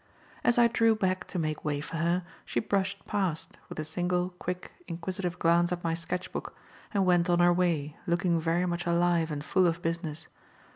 As I drew back to make way for her, she brushed past, with a single, quick, inquisitive glance at my sketchbook, and went on her way, looking very much alive and full of business.